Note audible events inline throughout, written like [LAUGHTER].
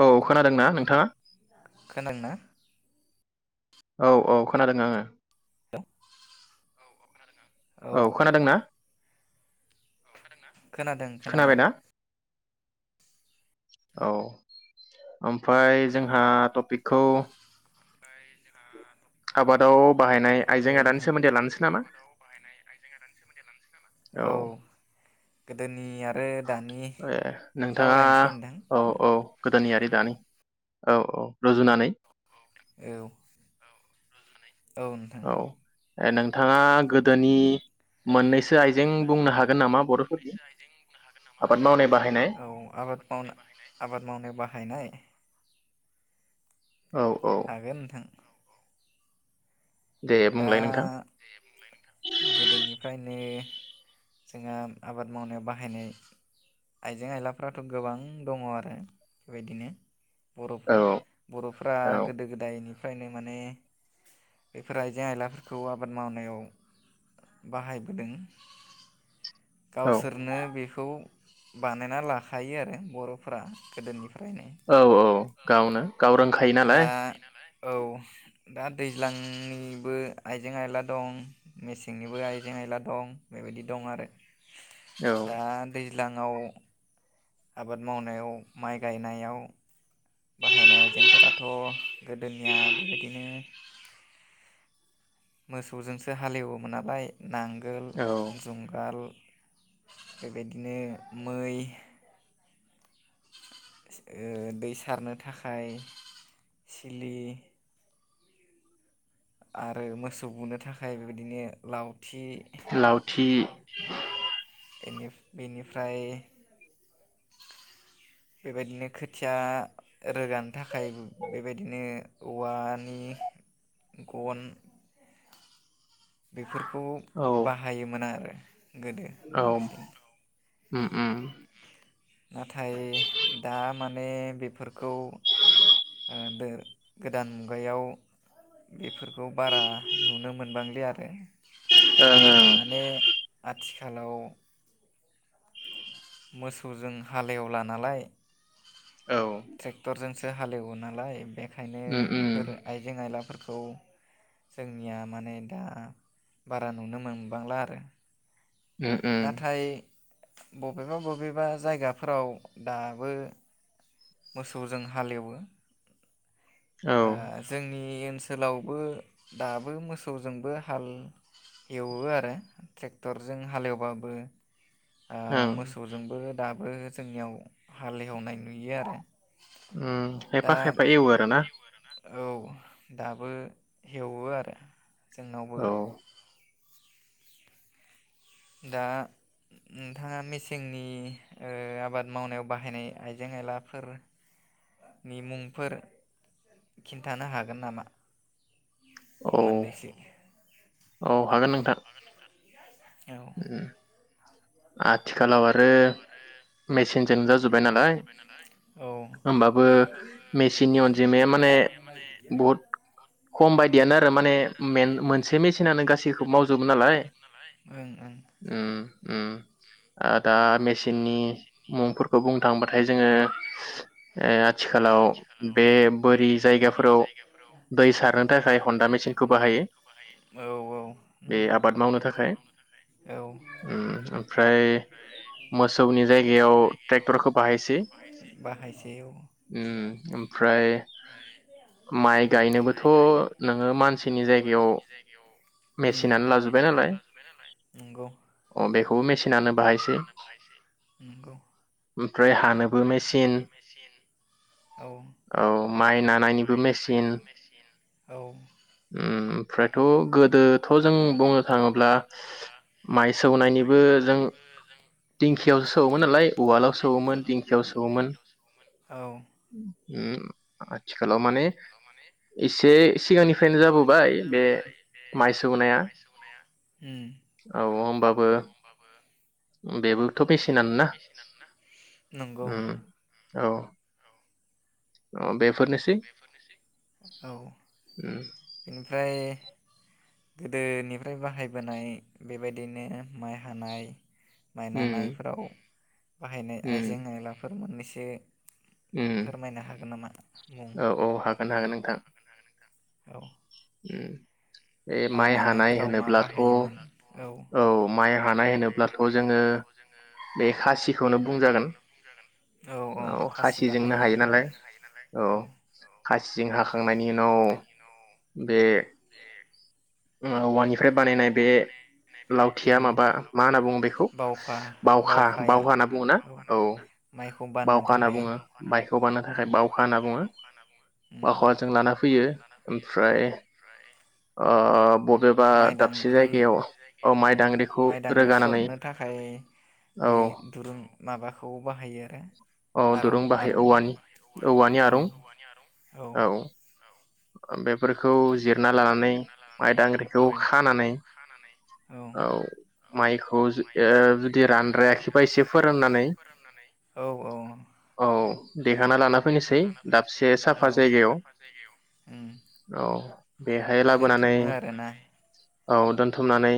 औ खोनादों ना नोंथाङा? खोनादों ना? औ औ खोनादों आङो औ औ खोनादोंना? खोनादों खोनादों। खोनाबायना औ ओमफ्राय जोंहा टपिकखौ आबादाव बाहायनाय आइजें औ आयलानि नोंथां सोमोन्दैआ लानोसै नामा? गोदोनिया ए नोंथाङा नोंथां औ औ गोदोनियारि दानि औ औ रुजुनानै औ औ नोंथां ए नोंथाङा गोदोनि मोननैसो आइजें बुंनो हागोन नामा बर' बाहायनाय औ आबाद मावनाय आबाद मावनायाव बाहायनाय औ औ हागोन नोंथां। दे दा बुंलाय नोंथां गोदोनिफ्रायनो जोंहा आबाद मावनायाव बाहायनाय आइजें आयलाफ्राथ गोबां दङ आरो बेबायदिनो। बर' औ बर'फ्रा औ गोदो गोदायनि फ्रायनो माने बेफोर आइजें आइलाफोरखौ आबाद मावनायाव बाहायबोदों। औ गावसोरनो बेखौ बानायना लाखायो आरो बर'फोरा गोदोनिफ्रायनो। औ औ गावनो। गाव रोंखायो दा नालाय। औ दा दैज्लांनिबो आइजें आइला दं मेसेंनिबो आइजें आइला दं बेबायदि दं आरो। औ दा दै लाङाव आबाद मावनायाव माइ गायनायाव बाहायनाय आइजेंफोराथ गोदोनिया बेबायदिनो मोसौजोंसो हालेवोमोन नालाय। नांगोल औ जुंगाल बेबायदिनो मै ओ दै सारनो थाखाय सिलि आरो मोसौ बुनो थाखाय बेबायदिनो लाव लावथि [INAUDIBLE] एनि बेनिफ्राय बेबायदिनो खोथिया रोगानो थाखाय बे-बेबायदिनो औवानि गन बेफोरखौ औ बाहायोमोन आरो। गोदो औ बांसिन उम उम नाथाय दा माने बेफोरखौ ओ दो-गोदान मुगायाव बेफोरखौ बारा नुनो मोनबांलिया आरो। ओ [INAUDIBLE] माने आथिखालाव मोसौजों हालेवला नालाय औ ट्रेक्टरजों सो हालेवो नालाय बे खायनो उम बेफोर आइजें आइलाफोर खौ जोंनिया माने दा बारा नुनो मोनबांला आरो। उम उम नाथाय बबेबा बबेबा जायगाफोराव दाबो मोसौजों हालेवो। औ ओ ओं जोंनि ओनसोलावबो दाबो मोसौजोंबो हाल एवो आरो ट्रेक्टरजों हालेवबाबो ओ मोसौजोंबो दा बो जोंनियाव हालेवनाय नुयो आरो उम खायफा दा खायफा एवो आरो ना औ दाबो हेवो आरो। जोंनावबो औ दा नोंथाङा मेसेंनि ओ आबाद मावनायाव बाहायनाय आइजें आयलाफोर-नि मुंफोर खिन्थानो हागोन नामा? औ मोननैसो औ औ हागोन नोंथां। औ [INAUDIBLE] आथिखालाव आरो मेसिन [INAUDIBLE] जाजोबबाय नालाय औ होमबाबो मेचिननि अनजिमाया मेसिननि माने अनजिमाया माने बहुद बहुत बायदियानो खम आरो माने बायदियानो आरो माने मेन मोनसे मेन मेचिनानो मोनसे गासैखौबो मेसिनानो मावजोबो गासैखौबो नालाय मावजोबो नालाय उम, उम दा मेसिननि मुंफोरखौ बुं थांबाथाय जोङो ओ आथिखालाव बे बोरि जायगाफोराव दै सारनो थाखाय हनदा मेसिनखो बाहायो औ औ बे नंगौ आबाद मावनो थाखाय। औ उम ओमफ्राय मोसौनि जायगायाव टेक्टरखौ बाहायसै बाहायसै औ उम ओमफ्राय माइ गायनोबोथ नोङो मानसिनि जायगायाव उम मेसिनानो लाजोबबाय नालाय नंगौ अ बेखौ मेचिनानो बाहायसै। नंगौ ओमफ्राय हानोबो मेचिन औ औ माइ नानायनिबो मेचिन औ ओम थ गोदोथ जों बुंनो थाङोब्ला माइ सौनायनिबो जों दिंखियावसो सौवोमोन नालाय उवालाव सौवोमोन दिंखियाव सौवोमोन औ आतसा आथिखालाव माने एसे सिगांनिफ्रायनो जाबोबाय बे माइ सौनाया उम औ होनबाबो बेबोथ मेचिनानो ना नंगौ ओम औ अ बे बेफोरनोसै औ बेनिफ्राय गोदोनिफ्राय बाहायबोनाय बेबायदिनो माइ हानाय माइ उम नानायफोराव बाहायनाय उम आइजें आयलाफोर मोननैसो ए उम फोरमायनो हागोन नामा? औ औ हागोन हागोन नोंथां औ उम बे माइ हानाय नानायफोराव मा होनोब्लाथ बाहायोमोन औ माइ हानाय होनोब्लाथ जोङो बे खासिखौनो बुंजागोन औ खासिजोंनो हायो नालाय औ खासिजोंं हाखांनायनि उनाव बे औवानिफ्राय बानायनाय बे लावथिया उम माबा मा होनना बुङो बेखौ बावखा बावखा बावखाया बावगा होनना बुङो ना औ औ माइखौ बाननो बावखा होनना थाखाय बुङो मायखौ बाननो थाखाय औ बावखा होनना बुङो उम बावखाजों लाना फैयो ओमफ्राय ओ बबेबा दाबसे माइदांगि् जायगायाव औ माइ उम दांग्रिखौ माइदांग्रि रोगानानै सरनो थाखाय औ बे दुरुं माबाखौ बाहायो औ आरो दुरुं बाहायो आरं आरं औवानि औवानि औ आरुं औ बेफोरखौ जिरना लानानै माइदांग्रिखौ औ खानानै औ माइखौ जु जुदि रानद्रायाखैबा एसे फोराननानै औ औ दैखांना लाना फैनोसै दाबसे साफा जायगायाव उम औ बेहाय लाबोनानै दोनथुमो आरोना औ दोनथुमनानै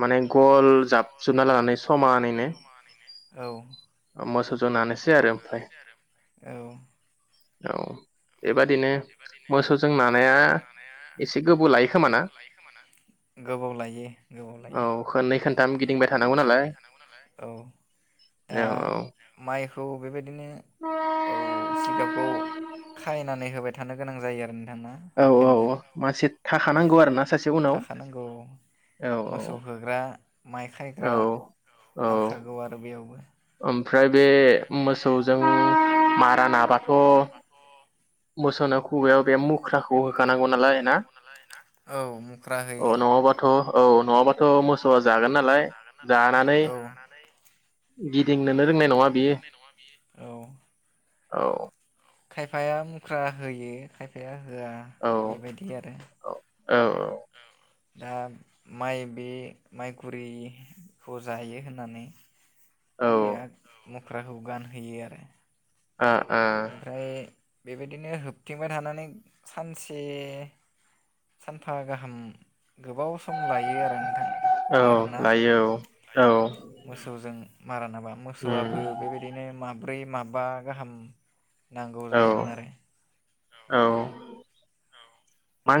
माने गल जाब औ मोसौ जों नानैसै आरो ओमफ्राय औ औ एबाद दिनो मोसौजों ना नाया एसे गोबाव लायो खोमा ना गोबाव लायो गोबाव लायो दाम गिद दिंबाय थानांगौ नालाय आ औ माइखौ बेबायदिनो औ जिगाबखौ खायनानै होबाय थानो गोनां जायो ना औ औ हुकेनजों औ मानसि थाखानांगौ आरोना सासे उनाव थाखानांगौ औ मोसौ होग्रा माइ औ खायग्रा औ नांखागौ आरो बेयावबो। ओमफ्राय बे मोसौजों मारा नाबाथ' मोसौनो खुगायाव बे मुख्राखौ होखानांगौ नालाय ना? औ मुख्रा अ होयो नङाबाथ' औ नङाबाथ' मोसौआ जागोन नालाय जानानै औ गिदिंनोनो रोंनाय नङा। बियो औ औ खायफाया मुख्रा होयो खायफाया होया औ बेबायदि आरो औ ओ दा माइ बे माइखुरिखौ जायो होननानै औ ओ खायफाया मु ख्राखौ गानहोयो आरो ओ ओ ओमफ्राय बेबायदिनो होबथिंबाय थानानै सानसे सानफा गाहाम गोबाव सम लायो आरो नोंथां औ मोन ना लायो औ मोसौजों मारानाबा उम मोसौआबो बेबायदिनो मा बै माबा गाहाम नांगौ औ जायोमोन औ आरो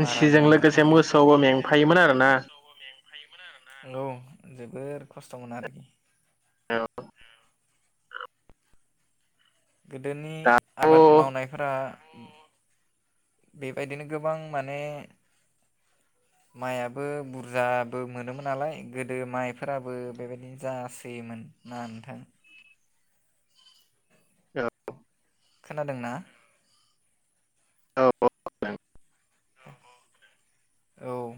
मारा नानो लोगोसे थाखाय मोसौआवबो मेंफायोमोन आरोना औ जोबोर खस्थमोन आरोखि औ गोदोनि आबाद दाथ' मावनायफोरा बेबायदिनो गोबां माने माइयाबो बुरजाबो मोनोमोन नालाय गोदो माइफोराबो बेबायदिनो जासोयोमोन ना नोंथां औ खोनादोंना? औ [UNINTELLIGIBLE] औ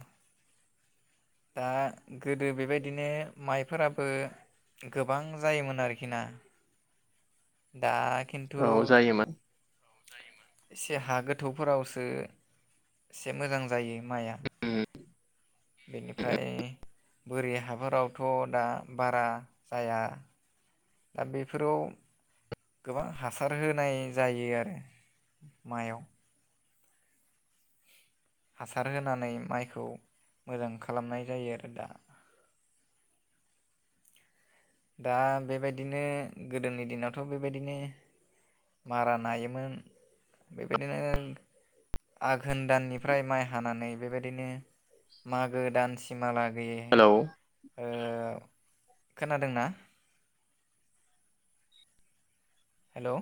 दा गोदो बेबायदिनो माइफोराबो गोबां जायोमोन आरोखि ना दा खिन्थु औ जायोमोन। एसे हा गोथौफोरावसो एसे मोजां जायो माइआ उम उम बेनिफ्राय बोरि हाफोरावथ‌ दा बारा जाया। दा बेफोराव गोबां हासार होनाय जायो आरो मायाव। हासार होनानै माइखौ मोजां खालामनाय जायो आरो दा। दा बेबायदिनो गोदोनि दिनावथ बेबायदिनो मारा नायायोमोन बेबायदिनो आघोन दाननिफ्राय माइ हानानै बेबायदिनो मागो दान सिमा लाग बे हेलौ ओ खोना दोंना? हेलौ